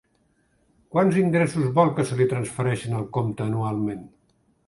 Quants ingressos vol que se li transfereixin al compte anualment?